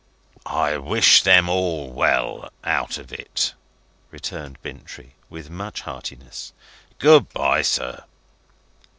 "I wish them all well out of it," returned Bintrey, with much heartiness. "Good bye, sir."